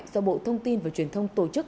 do bộ thông tin và truyền thông tổ chức